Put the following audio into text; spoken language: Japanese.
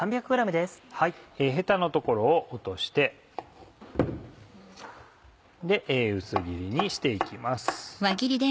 ヘタの所を落として薄切りにして行きます。